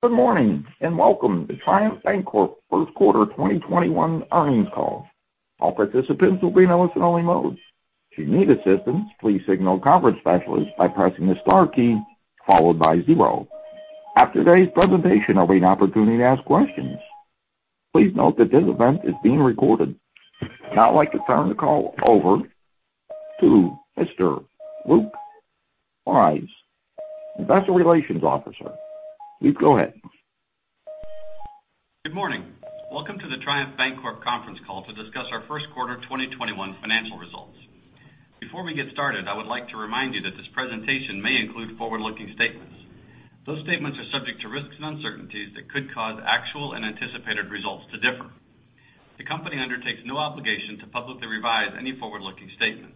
Good morning, and welcome to Triumph Bancorp First Quarter 2021 Earnings Call. After today's presentation, there'll be an opportunity to ask questions. Please note that this event is being recorded. Now, I'd like to turn the call over to Mr. Luke Wyse, Investor Relations Officer. Luke, go ahead. Good morning. Welcome to the Triumph Bancorp conference call to discuss our first quarter 2021 financial results. Before we get started, I would like to remind you that this presentation may include forward-looking statements. Those statements are subject to risks and uncertainties that could cause actual and anticipated results to differ. The company undertakes no obligation to publicly revise any forward-looking statement.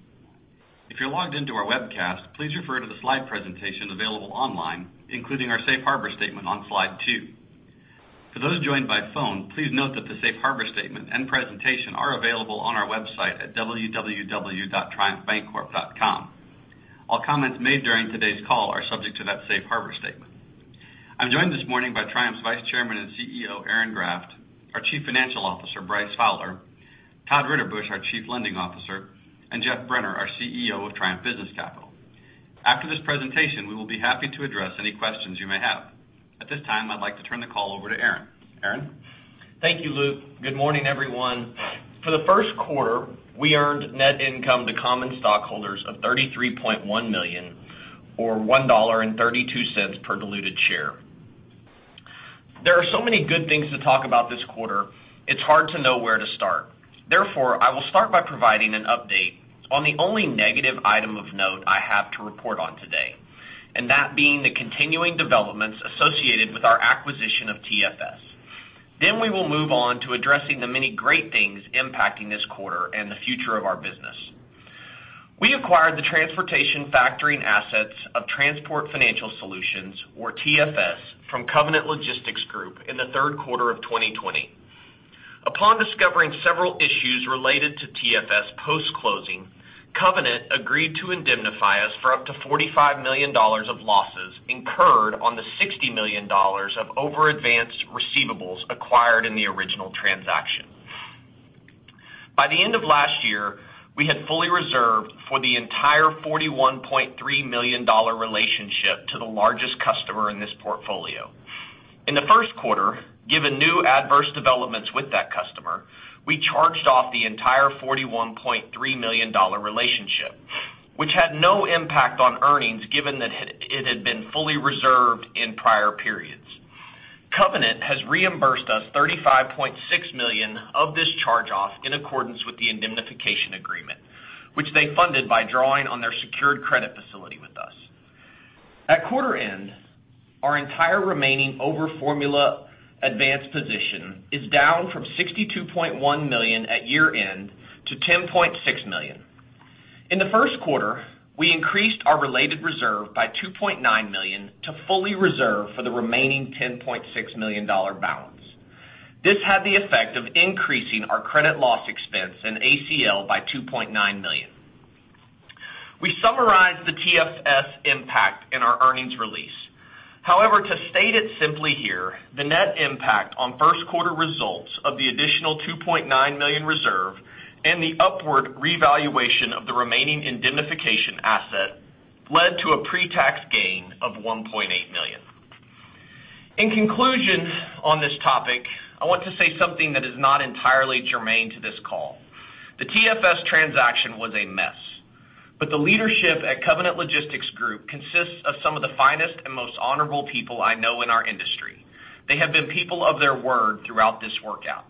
If you're logged in to our webcast, please refer to the slide presentation available online, including our safe harbor statement on slide two. For those joined by phone, please note that the safe harbor statement and presentation are available on our website at www.triumphbancorp.com. All comments made during today's call are subject to that safe harbor statement. I'm joined this morning by Triumph's Vice Chairman and CEO, Aaron Graft; our Chief Financial Officer, Bryce Fowler; Todd Ritterbusch, our Chief Lending Officer; and Geoff Brenner, our CEO of Triumph Business Capital. After this presentation, we will be happy to address any questions you may have. At this time, I'd like to turn the call over to Aaron. Aaron? Thank you, Luke. Good morning, everyone. For the first quarter, we earned net income to common stockholders of $33.1 million, or $1.32 per diluted share. There are so many good things to talk about this quarter, it's hard to know where to start. I will start by providing an update on the only negative item of note I have to report on today, and that being the continuing developments associated with our acquisition of TFS. We will move on to addressing the many great things impacting this quarter and the future of our business. We acquired the transportation factoring assets of Transport Financial Solutions, or TFS, from Covenant Logistics Group in the third quarter of 2020. Upon discovering several issues related to TFS post-closing, Covenant agreed to indemnify us for up to $45 million of losses incurred on the $60 million of over advanced receivables acquired in the original transaction. By the end of last year, we had fully reserved for the entire $41.3 million relationship to the largest customer in this portfolio. In the first quarter, given new adverse developments with that customer, we charged off the entire $41.3 million relationship, which had no impact on earnings, given that it had been fully reserved in prior periods. Covenant has reimbursed us $35.6 million of this charge-off in accordance with the indemnification agreement, which they funded by drawing on their secured credit facility with us. At quarter end, our entire remaining over-formula advanced position is down from $62.1 million at year end to $10.6 million. In the first quarter, we increased our related reserve by $2.9 million to fully reserve for the remaining $10.6 million balance. This had the effect of increasing our credit loss expense and ACL by $2.9 million. We summarized the TFS impact in our earnings release. To state it simply here, the net impact on first quarter results of the additional $2.9 million reserve and the upward revaluation of the remaining indemnification asset led to a pre-tax gain of $1.8 million. In conclusion on this topic, I want to say something that is not entirely germane to this call. The TFS transaction was a mess, but the leadership at Covenant Logistics Group consists of some of the finest and most honorable people I know in our industry. They have been people of their word throughout this workout.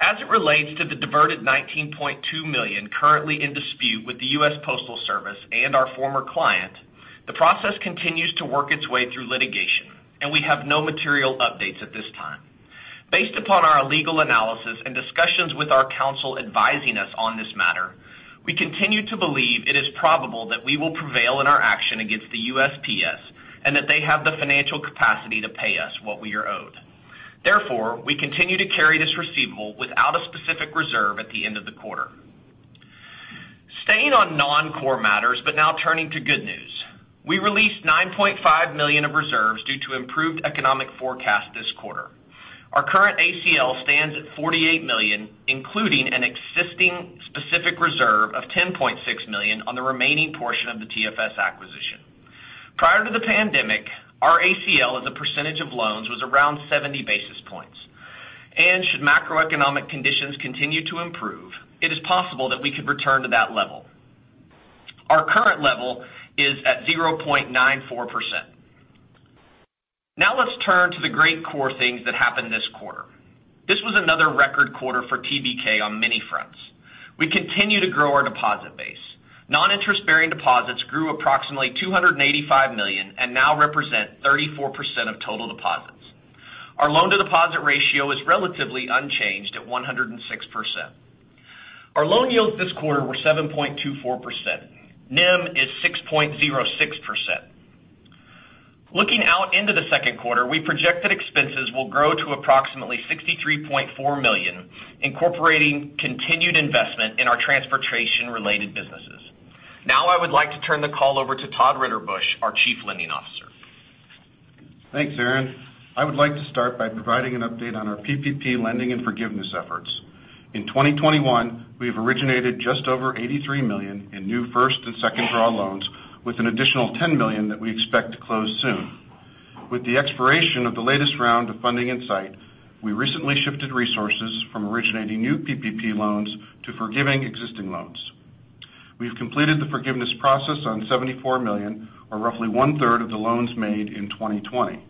As it relates to the diverted $19.2 million currently in dispute with the United States Postal Service and our former client, the process continues to work its way through litigation. We have no material updates at this time. Based upon our legal analysis and discussions with our counsel advising us on this matter, we continue to believe it is probable that we will prevail in our action against the USPS and that they have the financial capacity to pay us what we are owed. Therefore, we continue to carry this receivable without a specific reserve at the end of the quarter. Staying on non-core matters. Now turning to good news, we released $9.5 million of reserves due to improved economic forecast this quarter. Our current ACL stands at $48 million, including an existing specific reserve of $10.6 million on the remaining portion of the TFS acquisition. Prior to the pandemic, our ACL as a percentage of loans was around 70 basis points. Should macroeconomic conditions continue to improve, it is possible that we could return to that level. Our current level is at 0.94%. Let's turn to the great core things that happened this quarter. This was another record quarter for TBK on many fronts. We continue to grow our deposit base. Non-interest-bearing deposits grew approximately $285 million and now represent 34% of total deposits. Our loan-to-deposit ratio is relatively unchanged at 106%. Our loan yields this quarter were 7.24%. NIM is 6.06%. Looking out into the second quarter, we project that expenses will grow to approximately $63.4 million, incorporating continued investment in our transportation-related businesses. I would like to turn the call over to Todd Ritterbusch, our Chief Lending Officer. Thanks, Aaron. I would like to start by providing an update on our PPP lending and forgiveness efforts. In 2021, we have originated just over $83 million in new first and second draw loans, with an additional $10 million that we expect to close soon. With the expiration of the latest round of funding in sight, we recently shifted resources from originating new PPP loans to forgiving existing loans. We've completed the forgiveness process on $74 million, or roughly one-third of the loans made in 2020.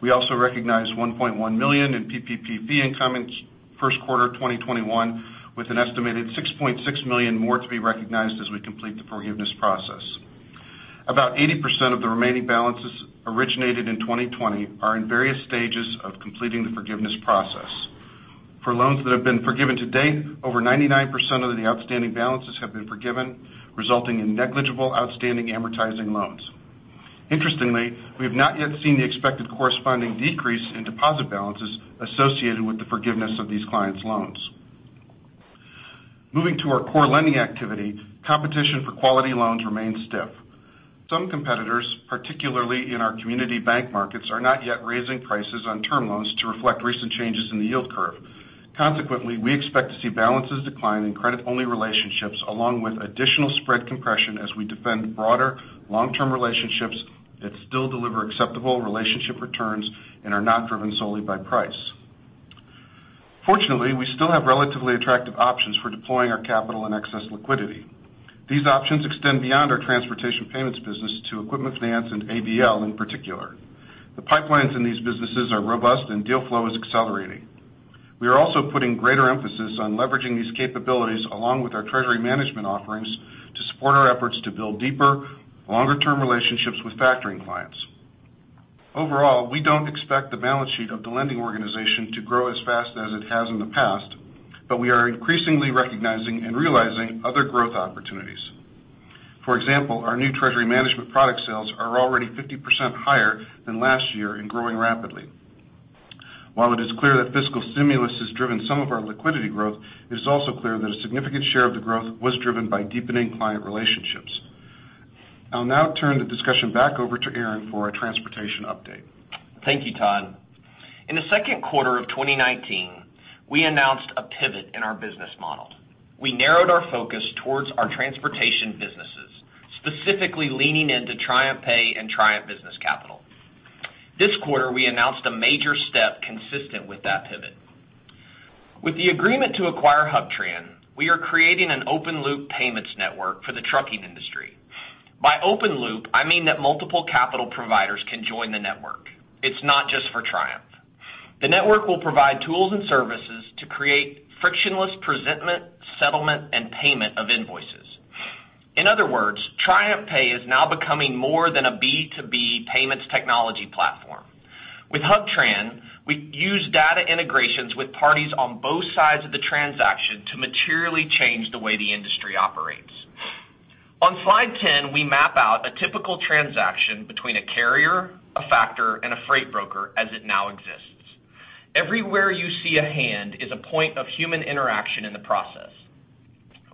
We also recognized $1.1 million in PPP fee income in first quarter 2021, with an estimated $6.6 million more to be recognized as we complete the forgiveness process. About 80% of the remaining balances originated in 2020 are in various stages of completing the forgiveness process. For loans that have been forgiven to date, over 99% of the outstanding balances have been forgiven, resulting in negligible outstanding amortizing loans. Interestingly, we have not yet seen the expected corresponding decrease in deposit balances associated with the forgiveness of these clients' loans. Moving to our core lending activity, competition for quality loans remains stiff. Some competitors, particularly in our community bank markets, are not yet raising prices on term loans to reflect recent changes in the yield curve. We expect to see balances decline in credit-only relationships along with additional spread compression as we defend broader long-term relationships that still deliver acceptable relationship returns and are not driven solely by price. We still have relatively attractive options for deploying our capital and excess liquidity. These options extend beyond our transportation payments business to equipment finance and ABL in particular. The pipelines in these businesses are robust and deal flow is accelerating. We are also putting greater emphasis on leveraging these capabilities along with our treasury management offerings to support our efforts to build deeper, longer-term relationships with factoring clients. Overall, we don't expect the balance sheet of the lending organization to grow as fast as it has in the past, but we are increasingly recognizing and realizing other growth opportunities. For example, our new treasury management product sales are already 50% higher than last year and growing rapidly. While it is clear that fiscal stimulus has driven some of our liquidity growth, it is also clear that a significant share of the growth was driven by deepening client relationships. I'll now turn the discussion back over to Aaron for a transportation update. Thank you, Todd. In the second quarter of 2019, we announced a pivot in our business model. We narrowed our focus towards our transportation businesses, specifically leaning into TriumphPay and Triumph Business Capital. This quarter, we announced a major step consistent with that pivot. With the agreement to acquire HubTran, we are creating an open loop payments network for the trucking industry. By open loop, I mean that multiple capital providers can join the network. It's not just for Triumph. The network will provide tools and services to create frictionless presentment, settlement, and payment of invoices. In other words, TriumphPay is now becoming more than a B2B payments technology platform. With HubTran, we use data integrations with parties on both sides of the transaction to materially change the way the industry operates. On slide 10, we map out a typical transaction between a carrier, a factor, and a freight broker as it now exists. Everywhere you see a hand is a point of human interaction in the process.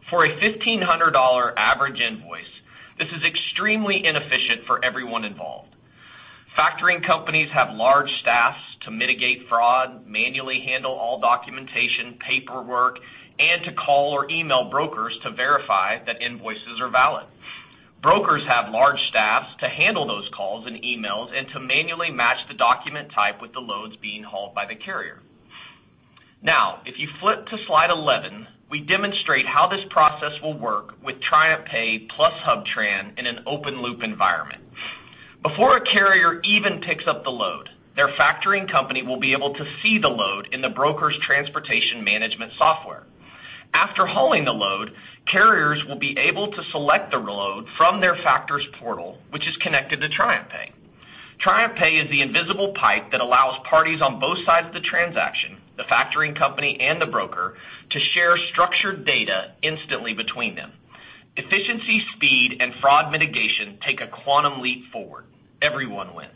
For a $1,500 average invoice, this is extremely inefficient for everyone involved. Factoring companies have large staffs to mitigate fraud, manually handle all documentation, paperwork, and to call or email brokers to verify that invoices are valid. Brokers have large staffs to handle those calls and emails and to manually match the document type with the loads being hauled by the carrier. Now, if you flip to slide 11, we demonstrate how this process will work with TriumphPay plus HubTran in an open loop environment. Before a carrier even picks up the load, their factoring company will be able to see the load in the broker's transportation management software. After hauling the load, carriers will be able to select the load from their factor's portal, which is connected to TriumphPay. TriumphPay is the invisible pipe that allows parties on both sides of the transaction, the factoring company and the broker, to share structured data instantly between them. Efficiency, speed, and fraud mitigation take a quantum leap forward. Everyone wins.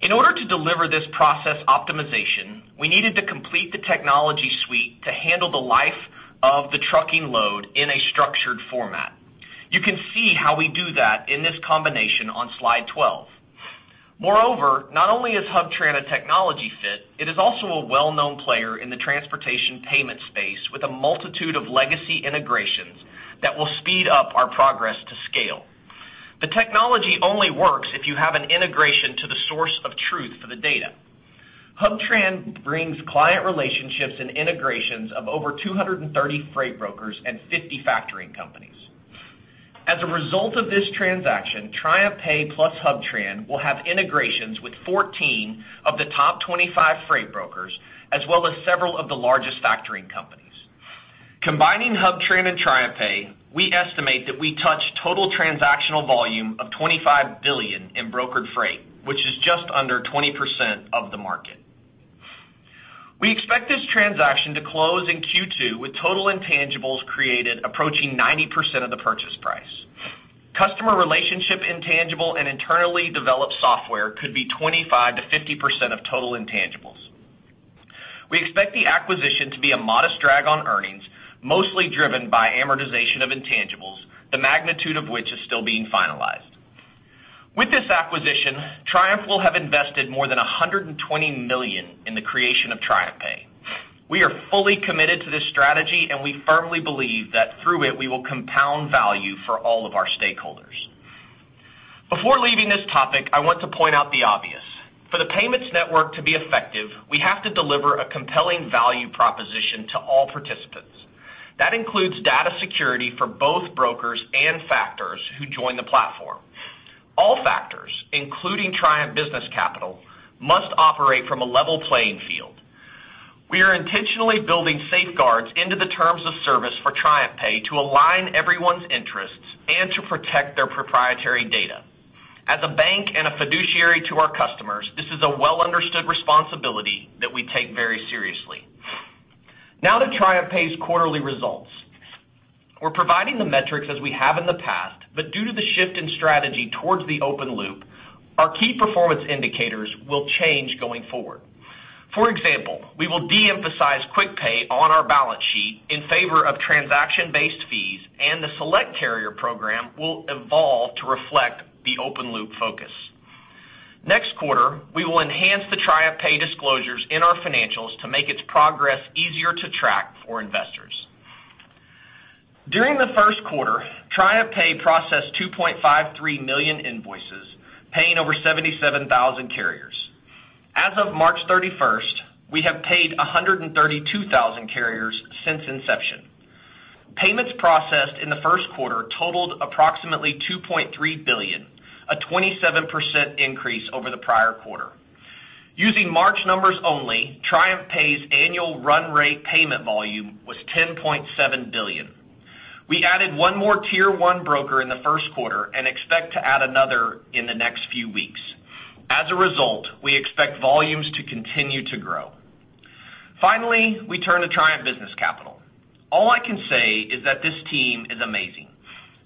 In order to deliver this process optimization, we needed to complete the technology suite to handle the life of the trucking load in a structured format. You can see how we do that in this combination on slide 12. Not only is HubTran a technology fit, it is also a well-known player in the transportation payment space with a multitude of legacy integrations that will speed up our progress to scale. The technology only works if you have an integration to the source of truth for the data. HubTran brings client relationships and integrations of over 230 freight brokers and 50 factoring companies. As a result of this transaction, TriumphPay plus HubTran will have integrations with 14 of the top 25 freight brokers, as well as several of the largest factoring companies. Combining HubTran and TriumphPay, we estimate that we touch total transactional volume of $25 billion in brokered freight, which is just under 20% of the market. We expect this transaction to close in Q2 with total intangibles created approaching 90% of the purchase price. Customer relationship intangible and internally developed software could be 25%-50% of total intangibles. We expect the acquisition to be a modest drag on earnings, mostly driven by amortization of intangibles, the magnitude of which is still being finalized. With this acquisition, Triumph will have invested more than $120 million in the creation of TriumphPay. We are fully committed to this strategy, and we firmly believe that through it, we will compound value for all of our stakeholders. Before leaving this topic, I want to point out the obvious. For the payments network to be effective, we have to deliver a compelling value proposition to all participants. That includes data security for both brokers and factors who join the platform. All factors, including Triumph Business Capital, must operate from a level playing field. We are intentionally building safeguards into the terms of service for TriumphPay to align everyone's interests and to protect their proprietary data. As a bank and a fiduciary to our customers, this is a well-understood responsibility that we take very seriously. Now to TriumphPay's quarterly results. We're providing the metrics as we have in the past, but due to the shift in strategy towards the open loop, our key performance indicators will change going forward. For example, we will de-emphasize quick pay on our balance sheet in favor of transaction-based fees, and the Select Carrier Program will evolve to reflect the open loop focus. Next quarter, we will enhance the TriumphPay disclosures in our financials to make its progress easier to track for investors. During the first quarter, TriumphPay processed 2.53 million invoices, paying over 77,000 carriers. As of March 31st, we have paid 132,000 carriers since inception. Payments processed in the first quarter totaled approximately $2.3 billion, a 27% increase over the prior quarter. Using March numbers only, TriumphPay's annual run rate payment volume was $10.7 billion. We added one more tier 1 broker in the first quarter and expect to add another in the next few weeks. As a result, we expect volumes to continue to grow. Finally, we turn to Triumph Business Capital. All I can say is that this team is amazing.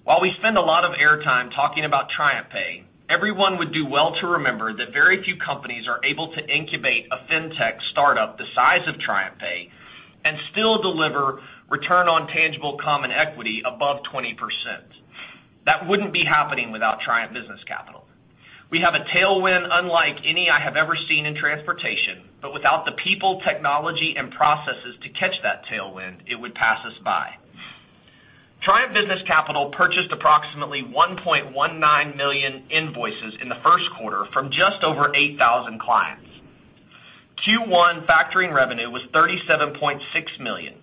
While we spend a lot of airtime talking about TriumphPay, everyone would do well to remember that very few companies are able to incubate a fintech startup the size of TriumphPay and still deliver return on tangible common equity above 20%. That wouldn't be happening without Triumph Business Capital. We have a tailwind unlike any I have ever seen in transportation, but without the people, technology, and processes to catch that tailwind, it would pass us by. Triumph Business Capital purchased approximately 1.19 million invoices in the first quarter from just over 8,000 clients. Q1 factoring revenue was $37.6 million,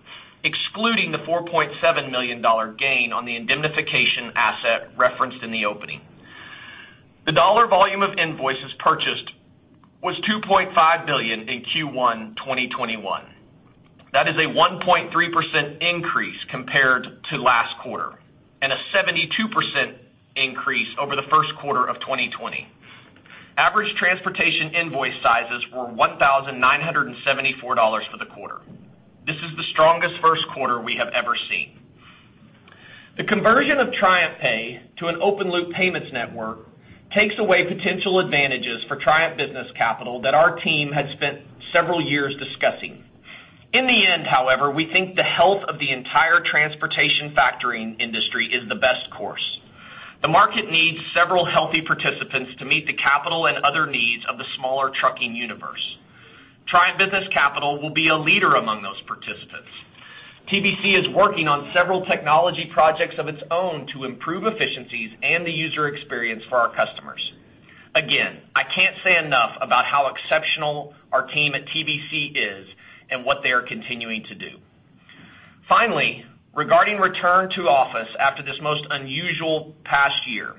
excluding the $4.7 million gain on the indemnification asset referenced in the opening. The dollar volume of invoices purchased was $2.5 billion in Q1 2021. That is a 1.3% increase compared to last quarter and a 72% increase over the first quarter of 2020. Average transportation invoice sizes were $1,974 for the quarter. This is the strongest first quarter we have ever seen. The conversion of TriumphPay to an open-loop payments network takes away potential advantages for Triumph Business Capital that our team had spent several years discussing. In the end, however, we think the health of the entire transportation factoring industry is the best course. The market needs several healthy participants to meet the capital and other needs of the smaller trucking universe. Triumph Business Capital will be a leader among those participants. TBC is working on several technology projects of its own to improve efficiencies and the user experience for our customers. Again, I can't say enough about how exceptional our team at TBC is and what they are continuing to do. Finally, regarding return to office after this most unusual past year,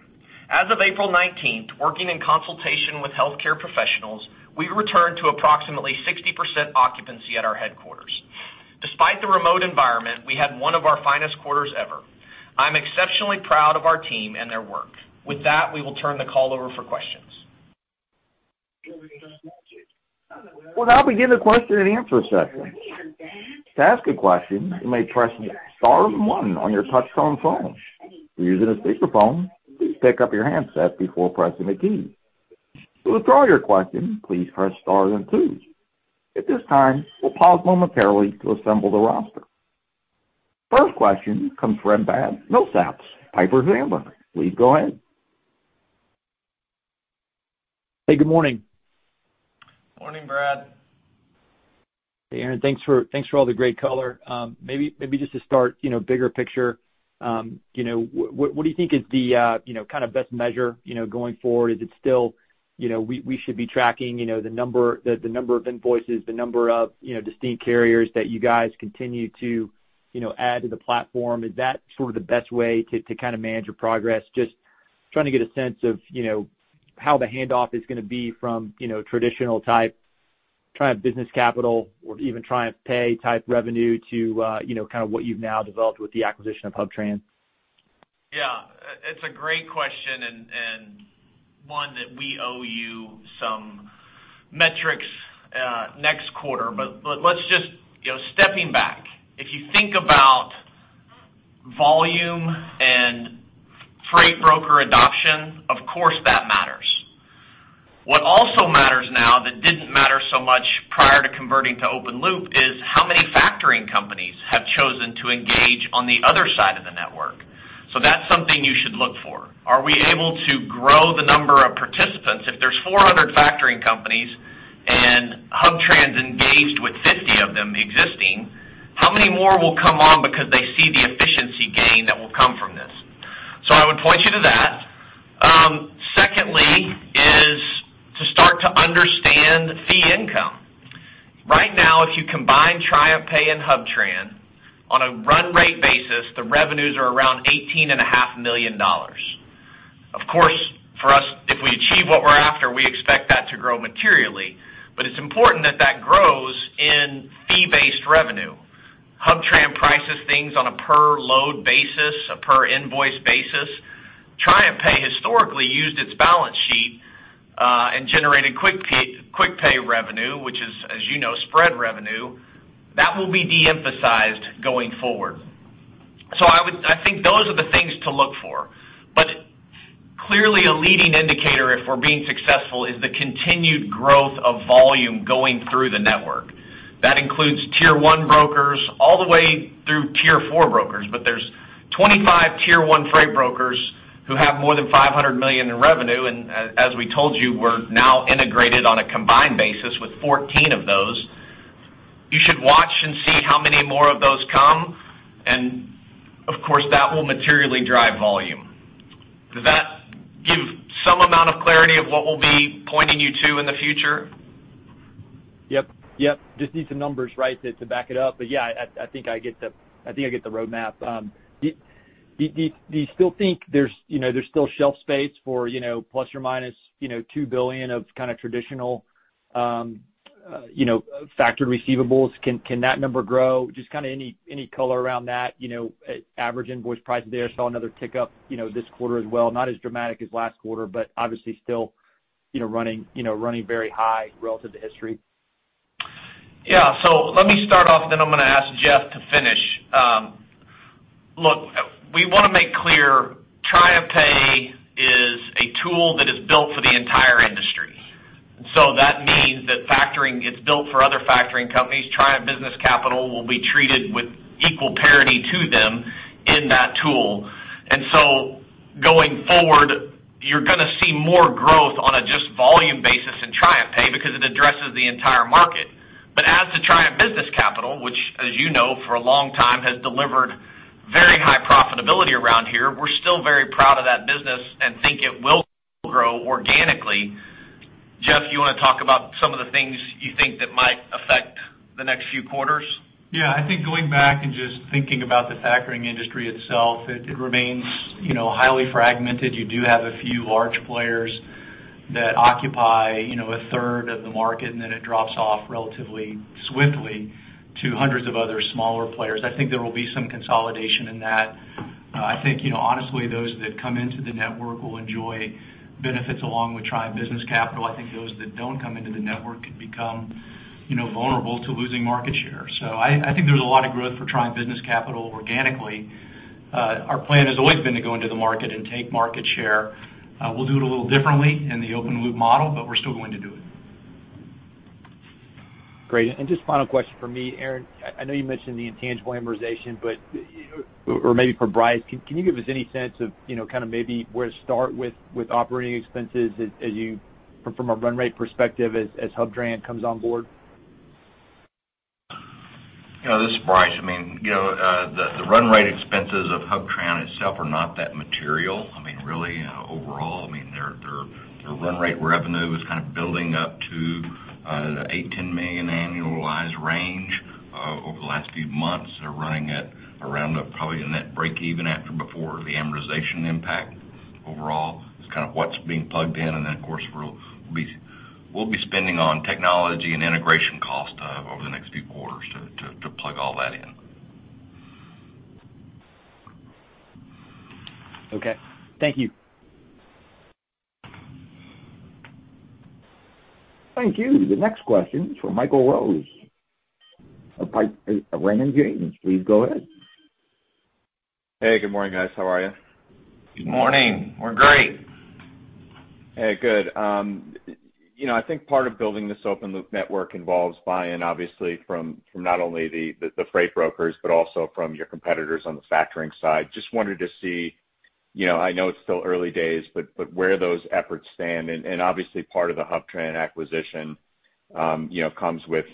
as of April 19th, working in consultation with healthcare professionals, we returned to approximately 60% occupancy at our headquarters. Despite the remote environment, we had one of our finest quarters ever. I'm exceptionally proud of our team and their work. With that, we will turn the call over for questions. For now, we'll begin the question-and-answer session. To ask a question, you may press star then one on your touchtone phone. To users of speakerphone, pick up your handset before pressing the key. To withdraw your question, please press star then two. At this time, we pause momentarily to assemble the roster. First question comes from Brad Milsaps, Piper Sandler. Please go ahead. Hey, good morning. Morning, Brad. Hey, Aaron, thanks for all the great color. Maybe just to start, bigger picture, what do you think is the best measure going forward? Is it still we should be tracking the number of invoices, the number of distinct carriers that you guys continue to add to the platform? Is that sort of the best way to kind of manage your progress? Just trying to get a sense of how the handoff is going to be from traditional type Triumph Business Capital or even TriumphPay type revenue to kind of what you've now developed with the acquisition of HubTran. Yeah. It's a great question and one that we owe you some metrics next quarter. Let's just, stepping back, if you think about volume quicker adoption, of course, that matters. What also matters now that didn't matter so much prior to converting to open loop is how many factoring companies have chosen to engage on the other side of the network. That's something you should look for. Are we able to grow the number of participants? If there's 400 factoring companies and HubTran engaged with 50 of them existing, how many more will come on because they see the efficiency gain that will come from this? I would point you to that. Secondly is to start to understand fee income. Right now, if you combine TriumphPay and HubTran, on a run rate basis, the revenues are around $18.5 million. Of course, for us, if we achieve what we're after, we expect that to grow materially, but it's important that that grows in fee-based revenue. HubTran prices things on a per load basis, a per invoice basis. TriumphPay historically used its balance sheet, and generated quick pay revenue, which is, as you know, spread revenue. That will be de-emphasized going forward. I think those are the things to look for. Clearly a leading indicator if we're being successful is the continued growth of volume going through the network. That includes tier 1 brokers all the way through tier 4 brokers, but there's 25 tier 1 freight brokers who have more than $500 million in revenue, and as we told you, we're now integrated on a combined basis with 14 of those. You should watch and see how many more of those come. Of course, that will materially drive volume. Does that give some amount of clarity of what we'll be pointing you to in the future? Yep. Just need some numbers, right, to back it up. Yeah, I think I get the roadmap. Do you still think there's still shelf space for ±$2 billion of kind of traditional factored receivables? Can that number grow? Just any color around that, average invoice price there, saw another tick up this quarter as well. Not as dramatic as last quarter, but obviously still running very high relative to history. Yeah. Let me start off. I'm going to ask Geoff to finish. Look, we want to make clear, TriumphPay is a tool that is built for the entire industry. That means that factoring, it's built for other factoring companies. Triumph Business Capital will be treated with equal parity to them in that tool. Going forward, you're going to see more growth on a just volume basis in TriumphPay because it addresses the entire market. As to Triumph Business Capital, which, as you know, for a long time has delivered very high profitability around here, we're still very proud of that business and think it will grow organically. Geoff, you want to talk about some of the things you think that might affect the next few quarters? I think going back and just thinking about the factoring industry itself, it remains highly fragmented. You do have a few large players that occupy a third of the market, and then it drops off relatively swiftly to hundreds of other smaller players. I think there will be some consolidation in that. I think honestly, those that come into the network will enjoy benefits along with Triumph Business Capital. I think those that don't come into the network could become vulnerable to losing market share. I think there's a lot of growth for Triumph Business Capital organically. Our plan has always been to go into the market and take market share. We'll do it a little differently in the open loop model, but we're still going to do it. Great. Just final question from me, Aaron, I know you mentioned the intangible amortization, but, or maybe for Bryce, can you give us any sense of maybe where to start with operating expenses as you, from a run rate perspective as HubTran comes on board? This is Bryce. The run rate expenses of HubTran itself are not that material. Really overall, their run rate revenue is kind of building up to $8 million-$10 million annualized range. Over the last few months, they're running at around a probably a net break even before the amortization impact. It's kind of what's being plugged in. Then of course, we'll be spending on technology and integration costs over the next few quarters to plug all that in. Okay. Thank you. Thank you. The next question is from Michael Rose of Raymond James. Please go ahead. Hey, good morning, guys. How are you? Good morning Morning. --we're great. Hey, good. I think part of building this open loop network involves buy-in, obviously from not only the freight brokers, but also from your competitors on the factoring side. Just wanted to see, I know it's still early days, but where those efforts stand, and obviously part of the HubTran acquisition comes with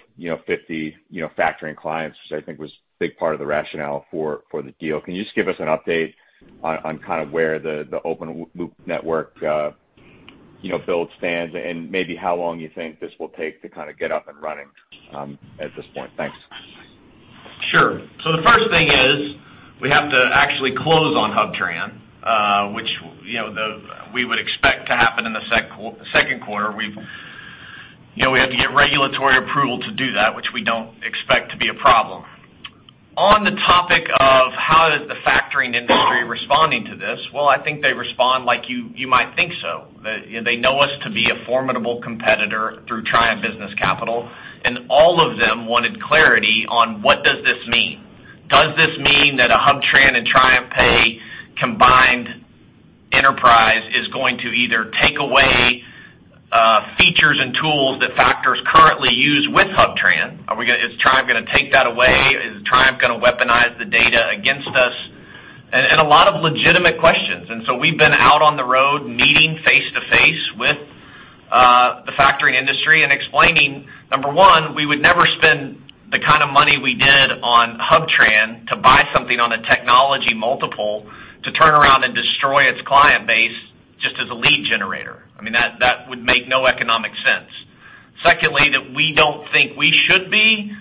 50 factoring clients, which I think was a big part of the rationale for the deal. Can you just give us an update on kind of where the open loop network build stands, and maybe how long you think this will take to kind of get up and running at this point? Thanks. Sure. The first thing is we have to actually close on HubTran, which we would expect to happen in the second quarter. We have to get regulatory approval to do that, which we don't expect to be a problem. On the topic of how is the factoring industry responding to this, well, I think they respond like you might think so. They know us to be a formidable competitor through Triumph Business Capital, and all of them wanted clarity on what does this mean? Does this mean that a HubTran and TriumphPay combined enterprise is going to either take away features and tools that factors currently use with HubTran? Is Triumph going to take that away? Is Triumph going to weaponize the data against us? A lot of legitimate questions. We've been out on the road meeting face-to-face with the factoring industry and explaining, number one, we would never spend the kind of money we did on HubTran to buy something on a technology multiple to turn around and destroy its client base just as a lead generator. I mean, that would make no economic sense. Secondly, that we don't think we should be,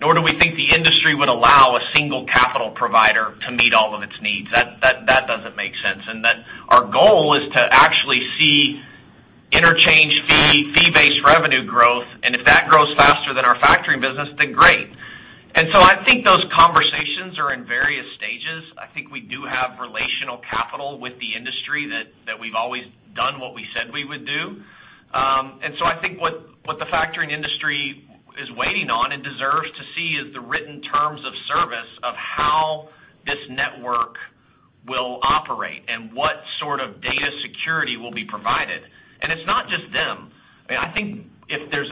nor do we think the industry would allow a single capital provider to meet all of its needs. That doesn't make sense. Our goal is to actually see interchange fee-based revenue growth, and if that grows faster than our factoring business, then great. I think those conversations are in various stages. I think we do have relational capital with the industry that we've always done what we said we would do. I think what the factoring industry is waiting on and deserves to see is the written terms of service of how this network will operate and what sort of data security will be provided. It's not just them. I think if there's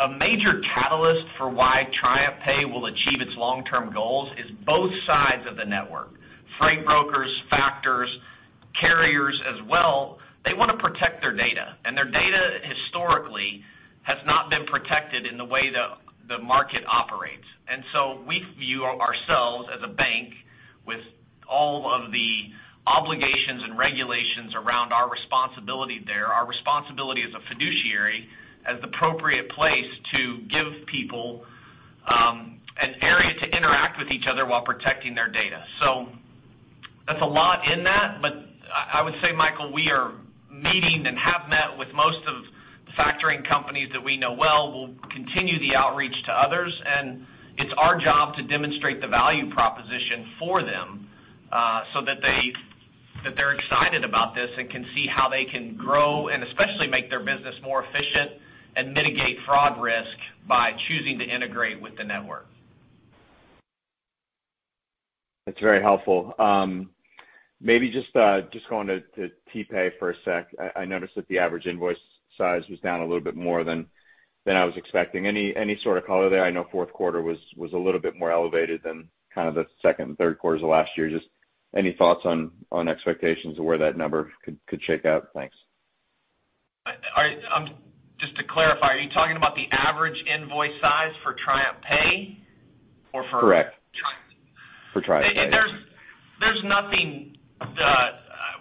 a major catalyst for why TriumphPay will achieve its long-term goals is both sides of the network, freight brokers, factors, carriers as well, they want to protect their data, and their data historically has not been protected in the way the market operates. We view ourselves as a bank with all of the obligations and regulations around our responsibility there, our responsibility as a fiduciary, as the appropriate place to give people an area to interact with each other while protecting their data. That's a lot in that, but I would say, Michael, we are meeting and have met with most of the factoring companies that we know well. We'll continue the outreach to others, and it's our job to demonstrate the value proposition for them, so that they're excited about this and can see how they can grow and especially make their business more efficient and mitigate fraud risk by choosing to integrate with the network. That's very helpful. Maybe just going to TPay for a sec. I noticed that the average invoice size was down a little bit more than I was expecting. Any sort of color there? I know fourth quarter was a little bit more elevated than kind of the second and third quarters of last year. Just any thoughts on expectations of where that number could shake out? Thanks. Just to clarify, are you talking about the average invoice size for TriumphPay or for... Correct. For TriumphPay.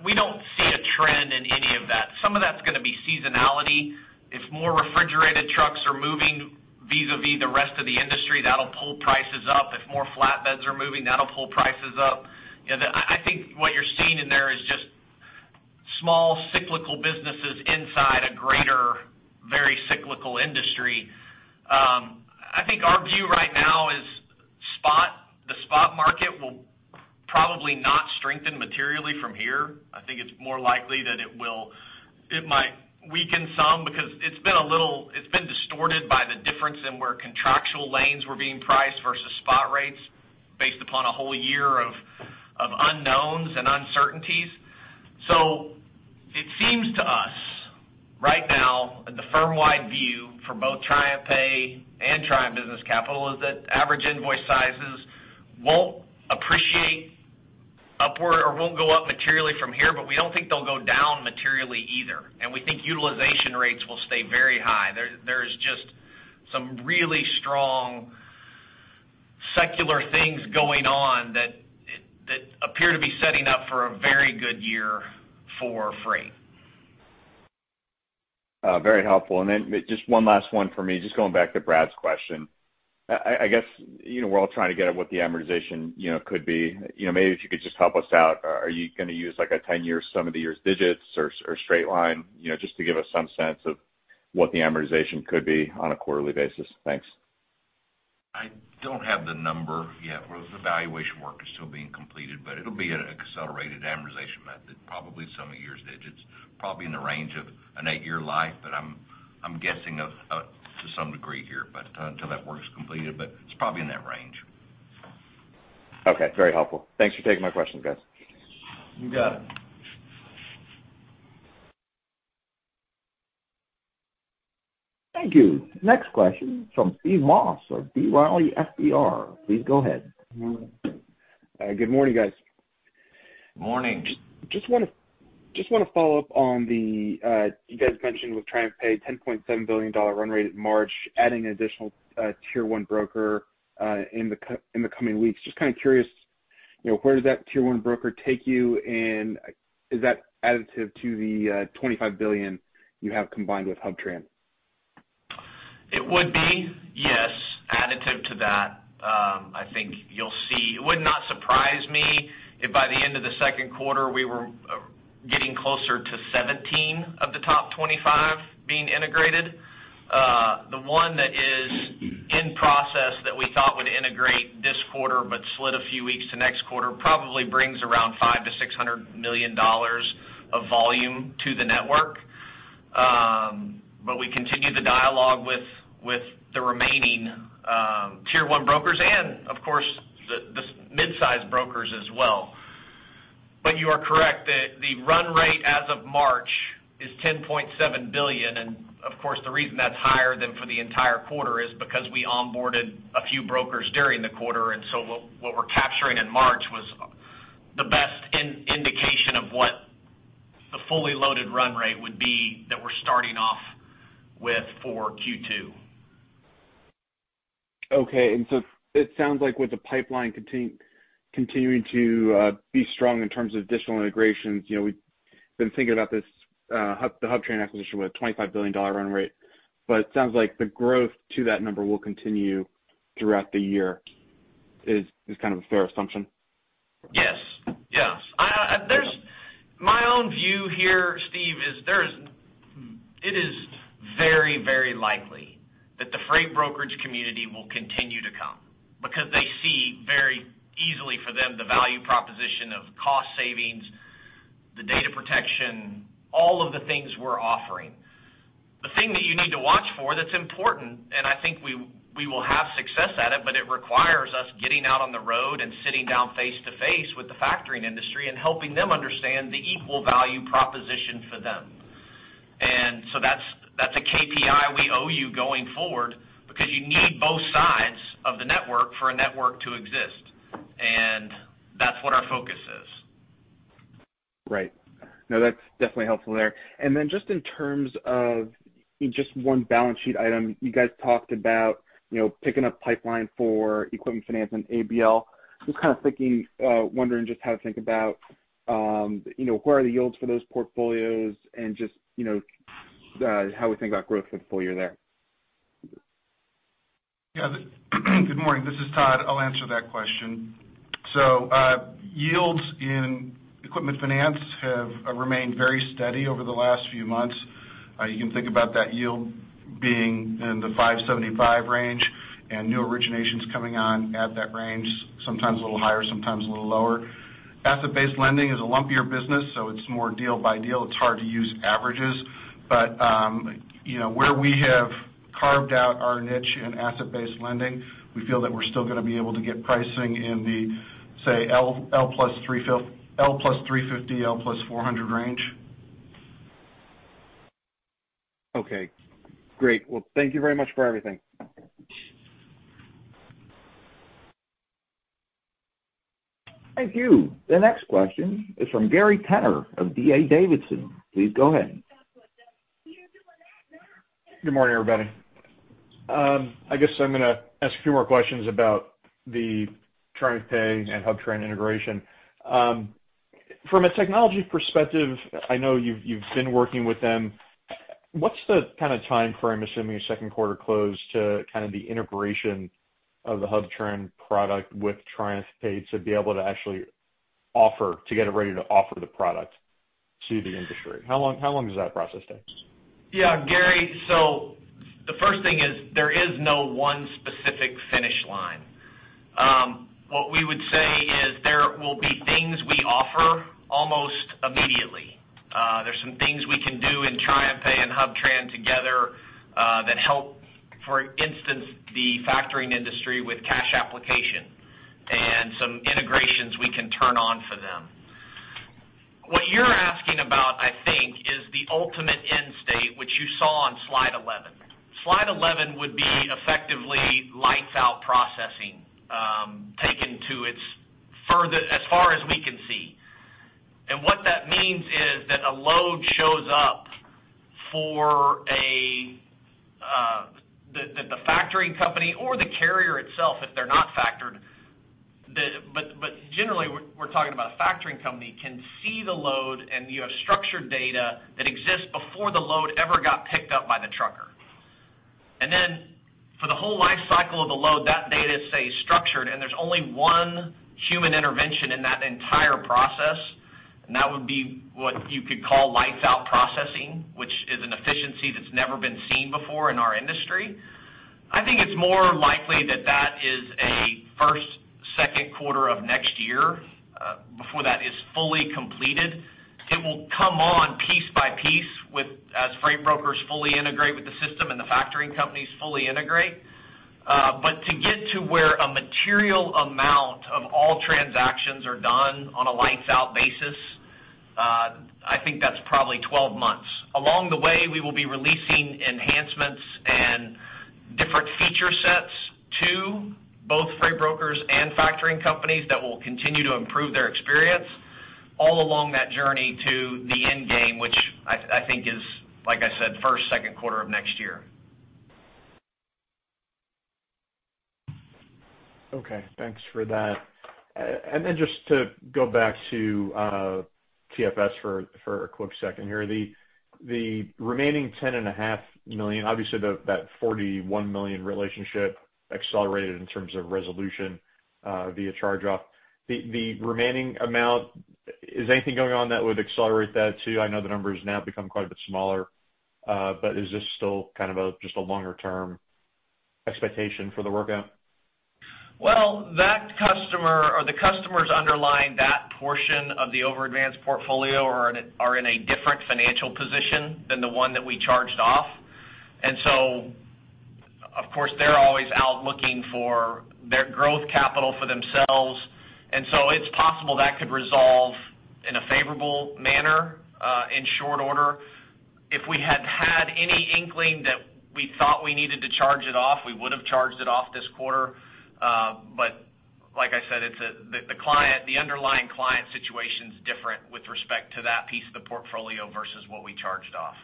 We don't see a trend in any of that. Some of that's going to be seasonality. If more refrigerated trucks are moving vis-a-vis the rest of the industry, that'll pull prices up. If more flatbeds are moving, that'll pull prices up. I think what you're seeing in there is just small cyclical businesses inside a greater, very cyclical industry. I think our view right now is the spot market will probably not strengthen materially from here. I think it's more likely that it might weaken some because it's been distorted by the difference in where contractual lanes were being priced versus spot rates based upon a whole year of unknowns and uncertainties. It seems to us right now that the firm-wide view for both TriumphPay and Triumph Business Capital is that average invoice sizes won't appreciate upward or won't go up materially from here, but we don't think they'll go down materially either. We think utilization rates will stay very high. There is just some really strong secular things going on that appear to be setting up for a very good year for freight. Very helpful. Just one last one for me, just going back to Brad's question. I guess we're all trying to get at what the amortization could be. Maybe if you could just help us out, are you going to use like a 10-year sum of years digits or straight line, just to give us some sense of what the amortization could be on a quarterly basis. Thanks. I don't have the number yet. The valuation work is still being completed, but it'll be an accelerated amortization method, probably sum of years digits, probably in the range of an eight-year life, but I'm guessing to some degree here, but until that work's completed, but it's probably in that range. Okay. Very helpful. Thanks for taking my questions, guys. You got it. Thank you. Next question from Steve Moss of B. Riley FBR. Please go ahead. Good morning, guys. Morning. Just want to follow up on the, you guys mentioned with TriumphPay, $10.7 billion run rate in March, adding an additional tier 1 broker in the coming weeks. Just kind of curious, where does that tier 1 broker take you, and is that additive to the $25 billion you have combined with HubTran? It would be, yes, additive to that. I think it would not surprise me if by the end of the second quarter we were getting closer to 17 of the top 25 being integrated. The one that is in process that we thought would integrate this quarter but slid a few weeks to next quarter probably brings around $500 million-$600 million of volume to the network. The dialogue with the remaining tier 1 brokers and, of course, the mid-size brokers as well. You are correct. The run rate as of March is $10.7 billion. Of course, the reason that's higher than for the entire quarter is because we onboarded a few brokers during the quarter, and so what we're capturing in March was the best indication of what the fully loaded run rate would be that we're starting off with for Q2. Okay. It sounds like with the pipeline continuing to be strong in terms of additional integrations, we've been thinking about this, the HubTran acquisition with a $25 billion run rate. It sounds like the growth to that number will continue throughout the year, is kind of a fair assumption? Yes. My own view here, Steve, is it is very likely that the freight brokerage community will continue to come because they see very easily for them the value proposition of cost savings, the data protection, all of the things we're offering. The thing that you need to watch for that's important, and I think we will have success at it, but it requires us getting out on the road and sitting down face-to-face with the factoring industry and helping them understand the equal value proposition for them. That's a KPI we owe you going forward because you need both sides of the network for a network to exist. That's what our focus is. Right. No, that's definitely helpful there. Just in terms of just one balance sheet item, you guys talked about picking up pipeline for equipment finance and ABL. Just kind of thinking, wondering just how to think about where are the yields for those portfolios and just how we think about growth full year there? Yeah. Good morning. This is Todd. I'll answer that question. Yields in equipment finance have remained very steady over the last few months. You can think about that yield being in the 575 range and new originations coming on at that range, sometimes a little higher, sometimes a little lower. Asset-based lending is a lumpier business, it's more deal by deal. It's hard to use averages. Where we have carved out our niche in asset-based lending, we feel that we're still going to be able to get pricing in the, say, L plus 350, L plus 400 range. Okay, great. Well, thank you very much for everything. Thank you. The next question is from Gary Tenner of D.A. Davidson. Please go ahead. Good morning, everybody. I guess I'm going to ask a few more questions about the TriumphPay and HubTran integration. From a technology perspective, I know you've been working with them. What's the kind of timeframe, assuming a second quarter close to the integration of the HubTran product with TriumphPay to be able to actually get it ready to offer the product to the industry? How long does that process take? Gary, the first thing is there is no one specific finish line. What we would say is there will be things we offer almost immediately. There's some things we can do in TriumphPay and HubTran together that help, for instance, the factoring industry with cash application and some integrations we can turn on for them. What you're asking about, I think, is the ultimate end state, which you saw on slide 11. Slide 11 would be effectively lights out processing taken to as far as we can see. What that means is that a load shows up that the factoring company or the carrier itself, if they're not factored, but generally we're talking about a factoring company can see the load and you have structured data that exists before the load ever got picked up by the trucker. For the whole life cycle of the load, that data stays structured, and there's only one human intervention in that entire process, and that would be what you could call lights out processing, which is an efficiency that's never been seen before in our industry. I think it's more likely that that is a first, second quarter of next year before that is fully completed. It will come on piece by piece as freight brokers fully integrate with the system and the factoring companies fully integrate. To get to where a material amount of all transactions are done on a lights out basis, I think that's probably 12 months. Along the way, we will be releasing enhancements and different feature sets to both freight brokers and factoring companies that will continue to improve their experience all along that journey to the end game, which I think is, like I said, first, second quarter of next year. Okay. Thanks for that. Just to go back to TFS for a quick second here. The remaining $10.5 million, obviously that $41 million relationship accelerated in terms of resolution via charge-off. The remaining amount, is anything going on that would accelerate that too? I know the number has now become quite a bit smaller. Is this still kind of just a longer term expectation for the workout? Well, the customers underlying that portion of the overadvanced portfolio are in a different financial position than the one that we charged off. Of course, they're always out looking for their growth capital for themselves. It's possible that could resolve in a favorable manner, in short order. If we had had any inkling that we thought we needed to charge it off, we would've charged it off this quarter. Like I said, the underlying client situation's different with respect to that piece of the portfolio versus what we charged off.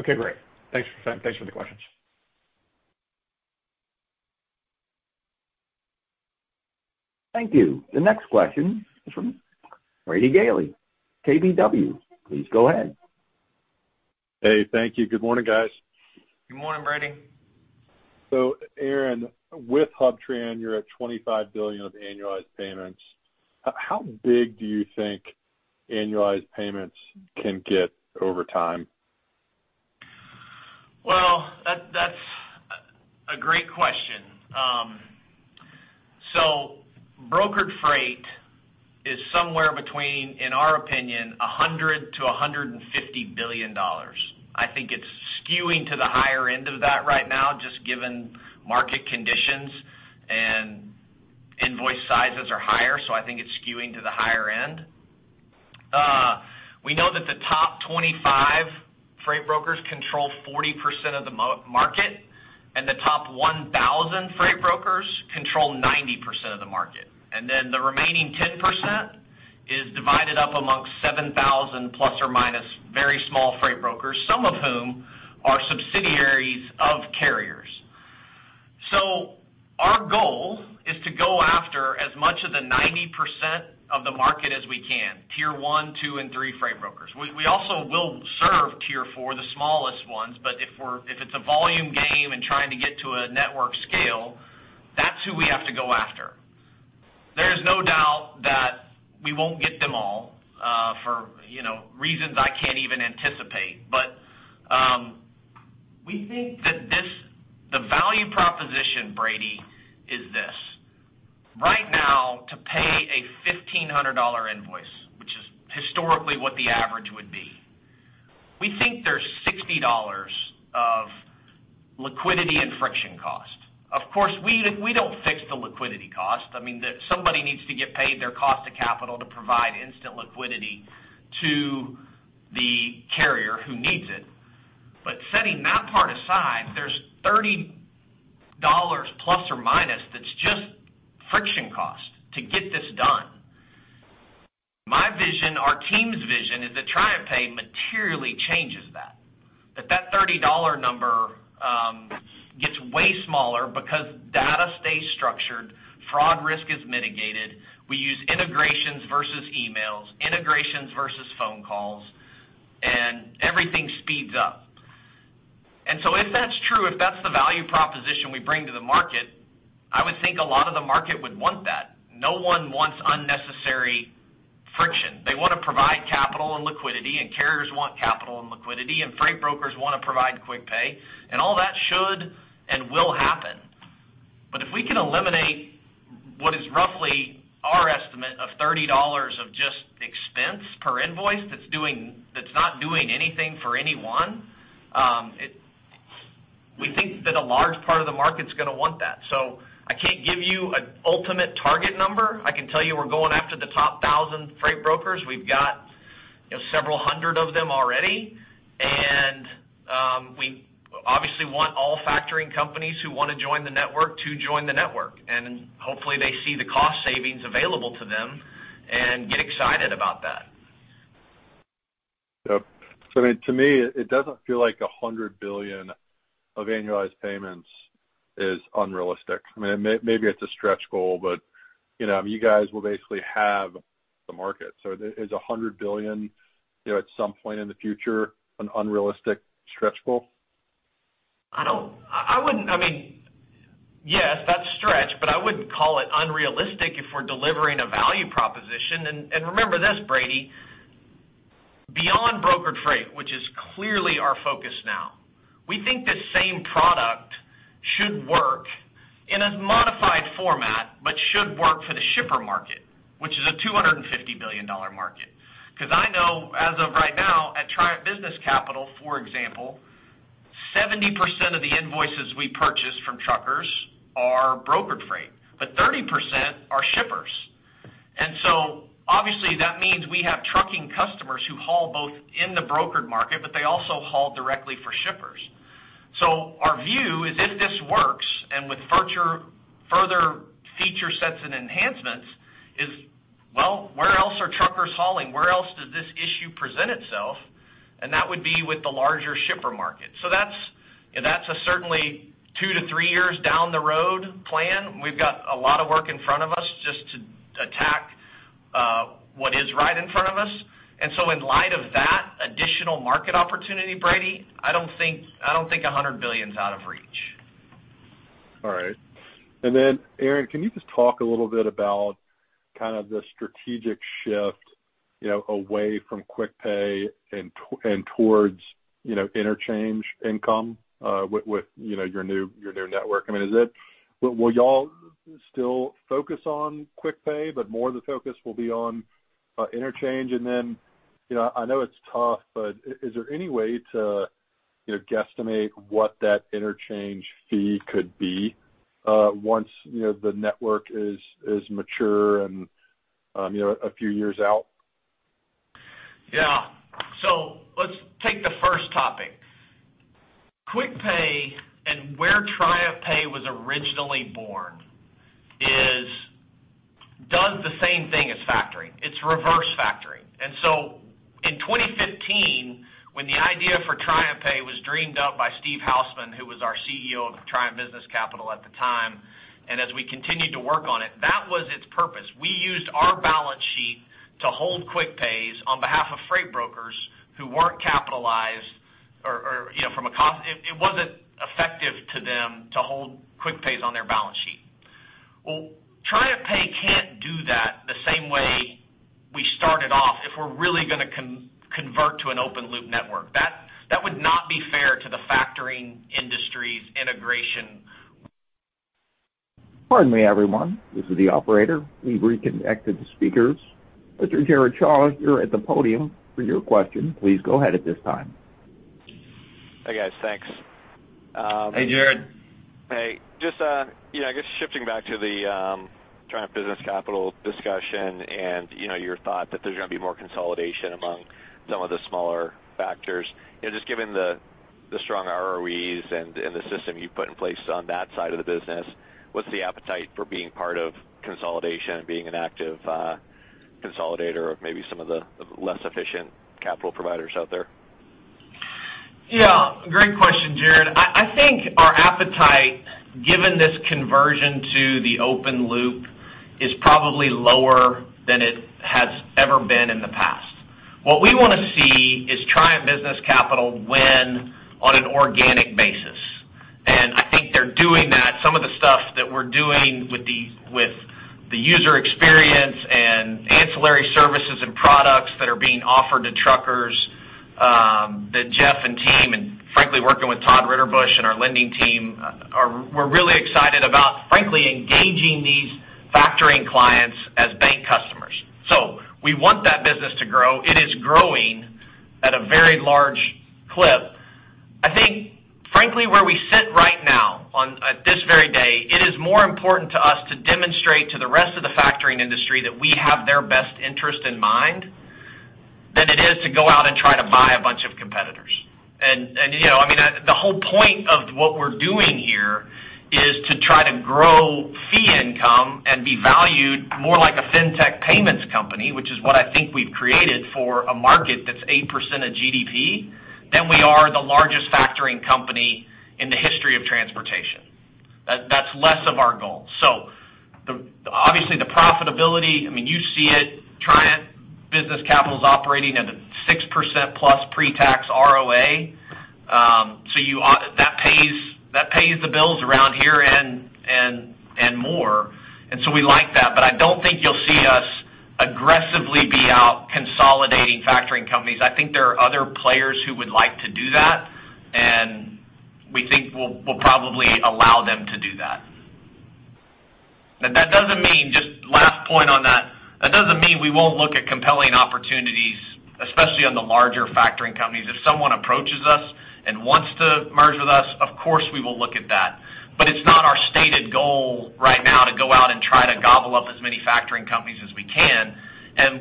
Okay, great. Thanks for the questions. Thank you. The next question is from Brady Gailey, KBW. Please go ahead. Hey, thank you. Good morning, guys. Good morning, Brady. Aaron, with HubTran, you're at $25 billion of annualized payments. How big do you think annualized payments can get over time? Well, that's a great question. Brokered freight is somewhere between, in our opinion, $100 billion-$150 billion. I think it's skewing to the higher end of that right now, just given market conditions, and invoice sizes are higher, so I think it's skewing to the higher end. We know that the top 25 freight brokers control 40% of the market, the top 1,000 freight brokers control 90% of the market. The remaining 10% is divided up amongst 7,000 plus or minus very small freight brokers, some of whom are subsidiaries of carriers. Our goal is to go after as much of the 90% of the market as we can, tier 1, 2 and 3 freight brokers. We also will serve tier 4, the smallest ones, if it's a volume game and trying to get to a network scale, that's who we have to go after. There's no doubt that we won't get them all, for reasons I can't even anticipate. We think that the value proposition, Brady, is this. Right now, to pay a $1,500 invoice, which is historically what the average would be, we think there's $60 of liquidity and friction cost. Of course, we don't fix the liquidity cost. Somebody needs to get paid their cost of capital to provide instant liquidity to the carrier who needs it. Setting that part aside, there's $30± that's just friction cost to get this done. My vision, our team's vision, is that TriumphPay materially changes that that $30 number gets way smaller because data stays structured, fraud risk is mitigated, we use integrations versus emails, integrations versus phone calls, and everything speeds up. If that's true, if that's the value proposition we bring to the market, I would think a lot of the market would want that. No one wants unnecessary friction. They want to provide capital and liquidity, and carriers want capital and liquidity, and freight brokers want to provide quick pay, and all that should and will happen. If we can eliminate what is roughly our estimate of $30 of just expense per invoice that's not doing anything for anyone, we think that a large part of the market's going to want that. I can't give you an ultimate target number. I can tell you we're going after the top 1,000 freight brokers. We've got several hundred of them already. We obviously want all factoring companies who want to join the network to join the network. Hopefully they see the cost savings available to them and get excited about that. Yep. To me, it doesn't feel like $100 billion of annualized payments is unrealistic. Maybe it's a stretch goal, but you guys will basically have the market. Is $100 billion at some point in the future an unrealistic stretch goal? Yes, that's a stretch, but I wouldn't call it unrealistic if we're delivering a value proposition. Remember this, Brady, beyond brokered freight, which is clearly our focus now, we think this same product should work in a modified format, but should work for the shipper market, which is a $250 billion market. I know as of right now, at Triumph Business Capital, for example, 70% of the invoices we purchase from truckers are brokered freight, but 30% are shippers. Obviously that means we have trucking customers who haul both in the brokered market, but they also haul directly for shippers. Our view is if this works, and with further feature sets and enhancements is, well, where else are truckers hauling? Where else does this issue present itself? That would be with the larger shipper market. That's a certainly two to three years down the road plan. We've got a lot of work in front of us just to attack what is right in front of us. In light of that additional market opportunity, Brady, I don't think $100 billion is out of reach. All right. Aaron, can you just talk a little bit about the strategic shift away from quick pay and towards interchange income with your new network? Will y'all still focus on quick pay, but more of the focus will be on interchange? I know it's tough, is there any way to guesstimate what that interchange fee could be once the network is mature and a few years out? Yeah. Let's take the first topic. QuickPay and where TriumphPay was originally born does the same thing as factoring. It's reverse factoring. In 2015, when the idea for TriumphPay was dreamed up by Steven Hausman, who was our CEO of Triumph Business Capital at the time, and as we continued to work on it, that was its purpose. We used our balance sheet to hold QuickPays on behalf of freight brokers who weren't capitalized, it wasn't effective to them to hold QuickPays on their balance sheet. Well, TriumphPay can't do that the same way we started off if we're really going to convert to an open loop network. That would not be fair to the factoring industry's integration... Pardon me, everyone. This is the operator. We've reconnected the speakers. Mr. Jared Shaw, you're at the podium for your question. Please go ahead at this time. Hey, guys. Thanks. Hey, Jared. Hey. Just, I guess shifting back to the Triumph Business Capital discussion and your thought that there's going to be more consolidation among some of the smaller factors. Just given the strong ROEs and the system you put in place on that side of the business, what's the appetite for being part of consolidation and being an active consolidator of maybe some of the less efficient capital providers out there? Yeah, great question, Jared. I think our appetite, given this conversion to the open loop, is probably lower than it has ever been in the past. What we want to see is Triumph Business Capital win on an organic basis. I think they're doing that. Some of the stuff that we're doing with the user experience and ancillary services and products that are being offered to truckers, that Geoff and team, and frankly, working with Todd Ritterbusch and our lending team, we're really excited about, frankly, engaging these factoring clients as bank customers. We want that business to grow. It is growing at a very large clip. I think, frankly, where we sit right now at this very day, it is more important to us to demonstrate to the rest of the factoring industry that we have their best interest in mind than it is to go out and try to buy a bunch of competitors. The whole point of what we're doing here is to try to grow fee income and be valued more like a fintech payments company, which is what I think we've created for a market that's 8% of GDP, than we are the largest factoring company in the history of transportation. That's less of our goal. Obviously, the profitability, you see it, Triumph Business Capital is operating at a 6% plus pre-tax ROA. That pays the bills around here and more, we like that. I don't think you'll see us aggressively be out consolidating factoring companies. I think there are other players who would like to do that, and we think we'll probably allow them to do that. Just last point on that. That doesn't mean we won't look at compelling opportunities, especially on the larger factoring companies. If someone approaches us and wants to merge with us, of course, we will look at that. It's not our stated goal right now to go out and try to gobble up as many factoring companies as we can.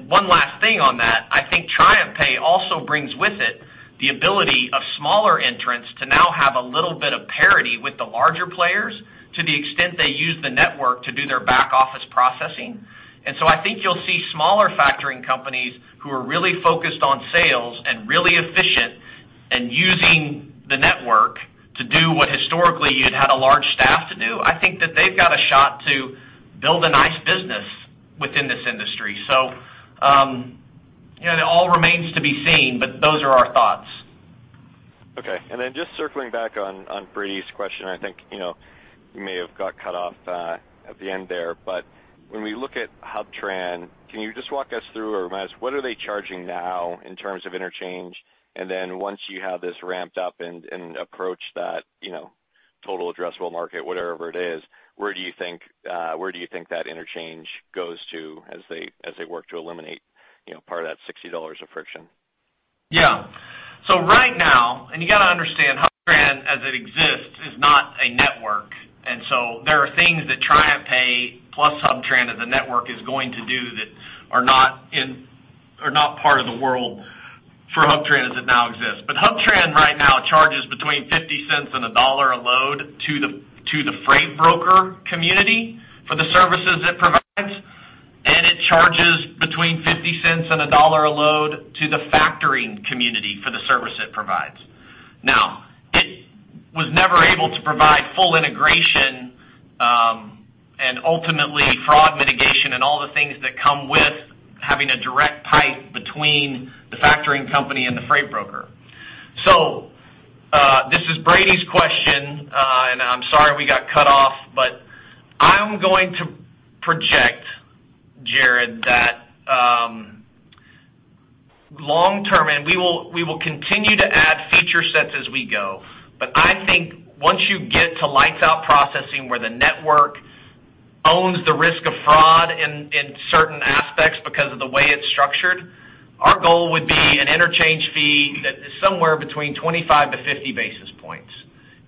One last thing on that, I think TriumphPay also brings with it the ability of smaller entrants to now have a little bit of parity with the larger players to the extent they use the network to do their back-office processing. I think you'll see smaller factoring companies who are really focused on sales and really efficient and using the network to do what historically you'd had a large staff to do. I think that they've got a shot to build a nice business within this industry. It all remains to be seen, but those are our thoughts. Okay. Then just circling back on Brady's question, I think you may have got cut off at the end there, but when we look at HubTran, can you just walk us through or remind us, what are they charging now in terms of interchange? Then once you have this ramped up and approach that total addressable market, whatever it is, where do you think that interchange goes to as they work to eliminate part of that $60 of friction? Right now, and you got to understand, HubTran, as it exists, is not a network. There are things that TriumphPay plus HubTran as a network is going to do that are not part of the world for HubTran as it now exists. HubTran right now charges between $0.50 and $1 a load to the freight broker community for the services it provides, and it charges between $0.50 and $1 a load to the factoring community for the service it provides. It was never able to provide full integration, and ultimately, fraud mitigation and all the things that come with having a direct pipe between the factoring company and the freight broker. This is Brady's question, and I'm sorry we got cut off, but I'm going to project, Jared, that long-term, and we will continue to add feature sets as we go, but I think once you get to lights-out processing, where the network owns the risk of fraud in certain aspects because of the way it's structured, our goal would be an interchange fee that is somewhere between 25-50 basis points,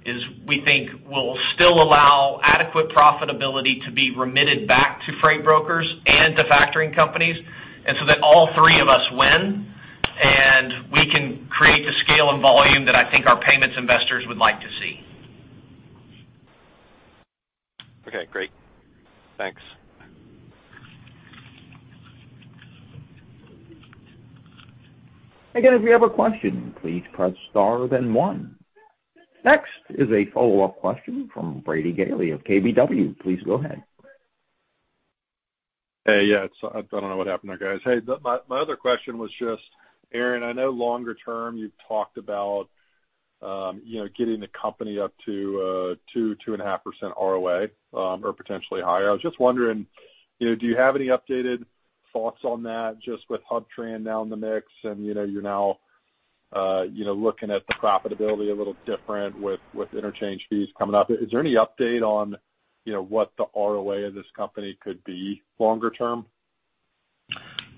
is we think will still allow adequate profitability to be remitted back to freight brokers and to factoring companies, and so that all three of us win, and we can create the scale and volume that I think our payments investors would like to see. Okay, great. Thanks. Again, if you have a question, please press star then one. Next is a follow-up question from Brady Gailey of KBW. Please go ahead. Hey. Yeah. I don't know what happened there, guys. Hey, my other question was just, Aaron, I know longer term you've talked about getting the company up to 2%, 2.5% ROA, or potentially higher. I was just wondering, do you have any updated thoughts on that just with HubTran now in the mix, and you're now looking at the profitability a little different with interchange fees coming up. Is there any update on what the ROA of this company could be longer term?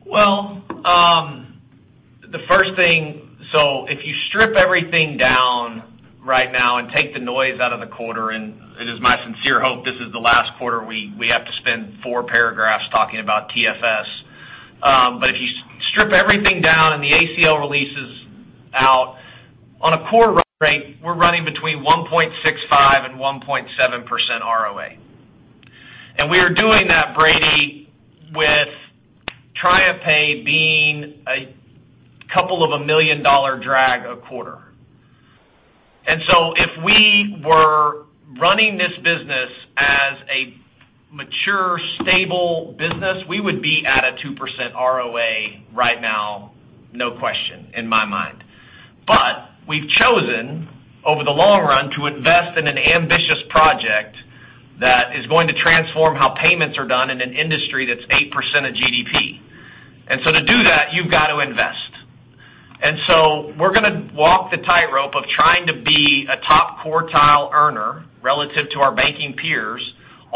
Well, the first thing, if you strip everything down right now and take the noise out of the quarter. It is my sincere hope this is the last quarter we have to spend four paragraphs talking about TFS. If you strip everything down and the ACL release is out, on a core run rate, we're running between 1.65%-1.7% ROA. We are doing that, Brady, with TriumphPay being a couple of a million dollar drag a quarter. If we were running this business as a mature, stable business, we would be at a 2% ROA right now, no question in my mind. We've chosen over the long run to invest in an ambitious project that is going to transform how payments are done in an industry that's 8% of GDP. To do that, you've got to invest. We're going to walk the tightrope of trying to be a top quartile earner relative to our banking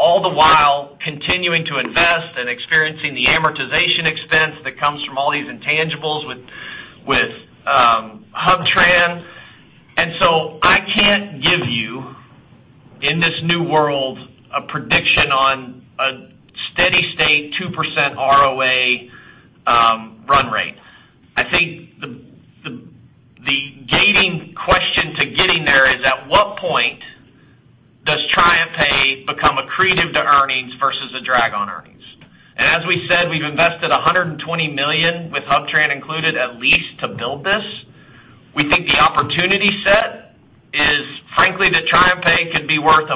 peers, all the while continuing to invest and experiencing the amortization expense that comes from all these intangibles with HubTran. I can't give you, in this new world, a prediction on a steady state 2% ROA run rate. I think the gating question to getting there is, at what point does TriumphPay become accretive to earnings versus a drag on earnings? As we said, we've invested $120 million with HubTran included, at least to build this. We think the opportunity set is frankly that TriumphPay could be worth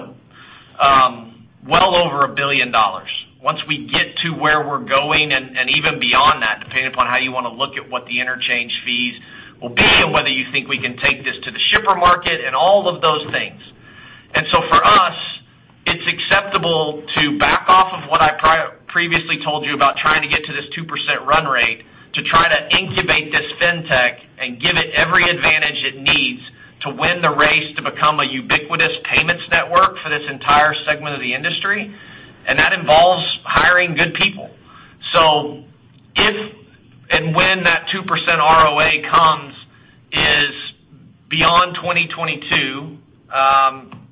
well over $1 billion once we get to where we're going and even beyond that, depending upon how you want to look at what the interchange fees will be and whether you think we can take this to the shipper market and all of those things. For us, it's acceptable to back off of what I previously told you about trying to get to this 2% run rate to try to incubate this fintech and give it every advantage it needs to win the race to become a ubiquitous payments network for this entire segment of the industry. That involves hiring good people. If and when that 2% ROA comes is beyond 2022,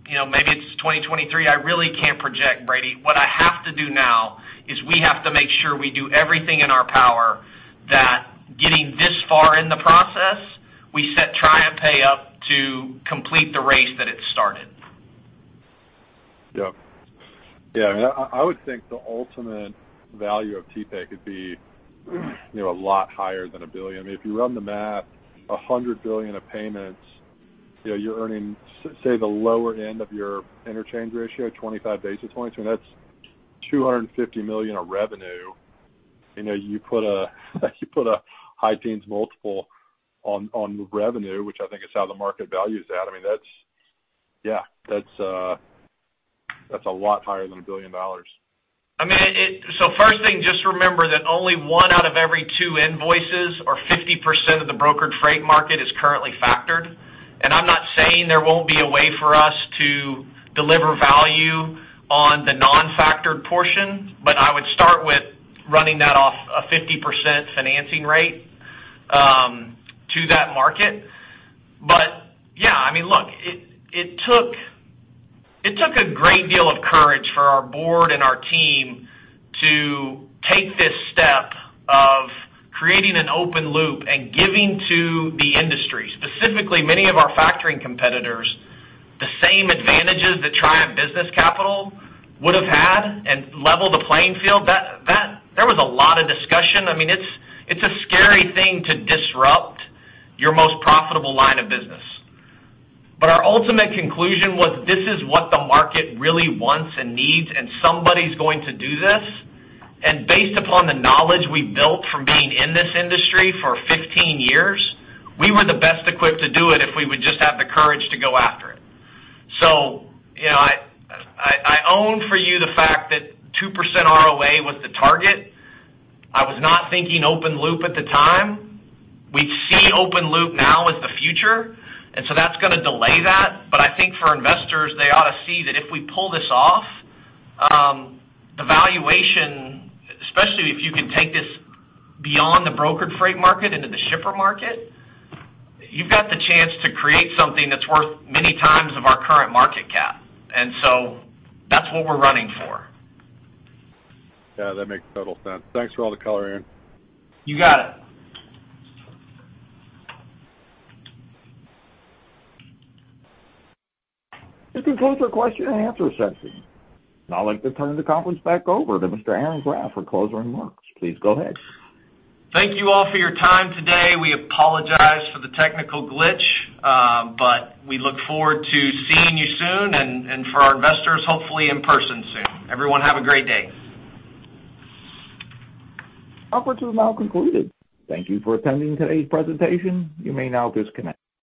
maybe it's 2023, I really can't project, Brady. What I have to do now is we have to make sure we do everything in our power that getting this far in the process, we set TriumphPay up to complete the race that it started. Yep. Yeah, I would think the ultimate value of TPay could be a lot higher than $1 billion. If you run the math, $100 billion of payments, you're earning, say the lower end of your interchange ratio, 25 basis points, I mean, that's $250 million of revenue. You put a high teens multiple on revenue, which I think is how the market values that. I mean, that's a lot higher than $1 billion. First thing, just remember that only one out of every two invoices or 50% of the brokered freight market is currently factored. I'm not saying there won't be a way for us to deliver value on the non-factored portion, but I would start with running that off a 50% financing rate to that market. Yeah, look, it took a great deal of courage for our board and our team to take this step of creating an open loop and giving to the industry, specifically many of our factoring competitors, the same advantages that Triumph Business Capital would have had and level the playing field. There was a lot of discussion. It's a scary thing to disrupt your most profitable line of business. Our ultimate conclusion was this is what the market really wants and needs, and somebody's going to do this. Based upon the knowledge we built from being in this industry for 15 years, we were the best equipped to do it if we would just have the courage to go after it. I own for you the fact that 2% ROA was the target. I was not thinking open loop at the time. We see open loop now as the future, that's going to delay that. I think for investors, they ought to see that if we pull this off, the valuation, especially if you can take this beyond the brokered freight market into the shipper market, you've got the chance to create something that's worth many times of our current market cap. That's what we're running for. That makes total sense. Thanks for all the color, Aaron. You got it. This concludes our question and answer session. I'd like to turn the conference back over to Mr. Aaron Graft for closing remarks. Please go ahead. Thank you all for your time today. We apologize for the technical glitch. We look forward to seeing you soon and for our investors, hopefully in person soon. Everyone, have a great day. Conference is now concluded. Thank you for attending today's presentation. You may now disconnect.